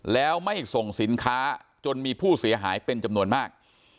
แล้วไม่ส่งสินค้าจนมีผู้เสียหายเป็นจำนวนมาก